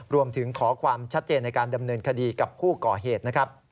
รวมถึงขอความชัดเจนในการดำเนินคดีกับผู้ก่อเหตุนะครับ